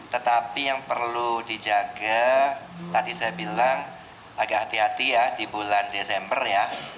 tetapi yang perlu dijaga tadi saya bilang agak hati hati ya di bulan desember ya